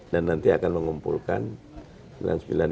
dan nanti akan mengumpulkan